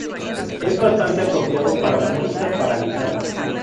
Es bastante apropiado para la música para guitarra.